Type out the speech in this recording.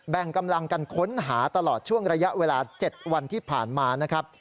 แบ่งกำลังกันค้นหาตลอดช่วงระยะเวลา๗วันที่ผ่านมานะครับ